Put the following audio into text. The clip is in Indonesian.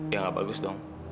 ya gak bagus dong